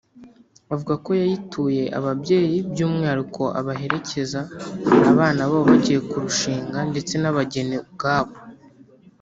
avuga ko yayituye ababyeyi by’umwihariko abaherekeza abana babo bagiye kurushinga ndetse n’abageni ubwabo